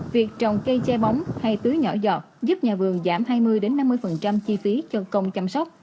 việc trồng cây che bóng hay tưới nhỏ giọt giúp nhà vườn giảm hai mươi năm mươi chi phí cho công chăm sóc